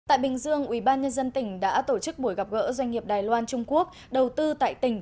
tại bình dương ubnd tỉnh đã tổ chức buổi gặp gỡ doanh nghiệp đài loan trung quốc đầu tư tại tỉnh